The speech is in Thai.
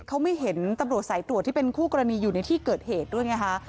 เขาไม่เห็นตำรวจสายตรวจที่เป็นคู่กรณีอยู่ในที่เกิดเหตุด้วยไงคะ